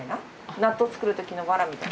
納豆作る時のわらみたいな？